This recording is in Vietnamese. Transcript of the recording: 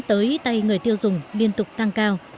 tới tay người tiêu dùng liên tục tăng cao